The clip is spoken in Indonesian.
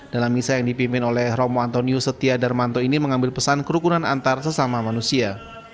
dalam misa yang dipimpin oleh romo antonio setia darmanto ini mengambil pesan kerukunan antar sesama manusia